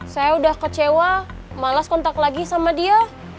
saya udah kecewa malas kontak lagi sama dia